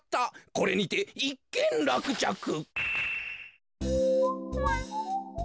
これにていっけんらくちゃく。